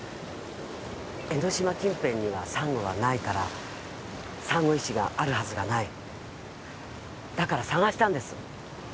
江の島近辺にはサンゴがないからサンゴ石があるはずがないだから捜したんです